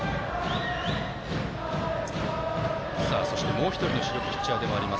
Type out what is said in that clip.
もう１人の主力ピッチャーでもあります